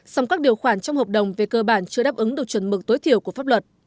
song các điều khoản trong hợp đồng về cơ bản chưa đáp ứng được chuẩn mực tối thiểu của pháp luật